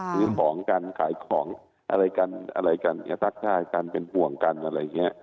ซื้อของกันขายของอะไรกันทักทายกันเป็นห่วงกันอะไรอย่างนี้